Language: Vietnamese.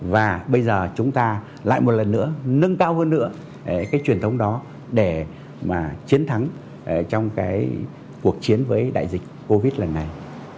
và bây giờ chúng ta lại một lần nữa nâng cao hơn nữa cái truyền thống đó để mà chiến thắng trong cái cuộc chiến với đại dịch covid lần này